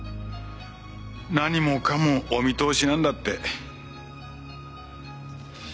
何もかもお見通しなんだって。